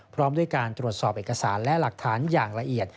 พร้อมด้วยการตรวจสอบเอกสารและหลักฐานอย่างละเอียด